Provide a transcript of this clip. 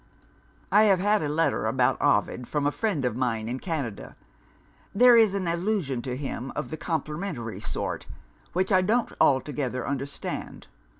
"I have had a letter about Ovid, from a friend of mine in Canada. There is an allusion to him of the complimentary sort, which I don't altogether understand.